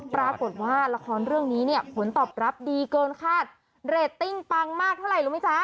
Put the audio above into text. ปรากฏว่าละครเรื่องนี้เนี่ยผลตอบรับดีเกินคาดเรตติ้งปังมากเท่าไหร่รู้ไหมจ๊ะ